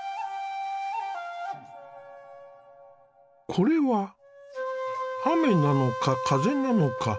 これは雨なのか風なのか